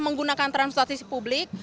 menggunakan transportasi publik